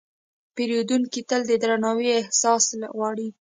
پیرودونکی تل د درناوي احساس غواړي.